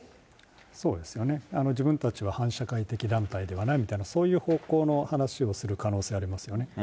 自分たちは反社会的団体ではないみたいな、そういう方向の話をする可能性ありますよね。